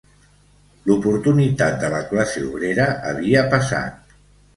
L'oportunitat de la classe obrera havia passat